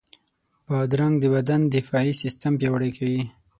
بادرنګ د بدن دفاعي سیستم پیاوړی کوي.